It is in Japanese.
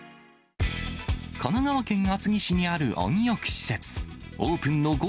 神奈川県厚木市にある温浴施設。